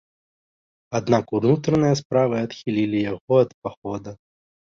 Аднак унутраныя справы адхілілі яго ад пахода.